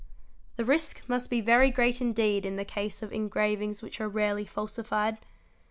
The risk must be very great indeed in the case of engravings which are rarely falsified.